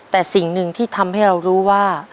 แต่สิ่งหนึ่งที่ทำให้เรารู้ว่า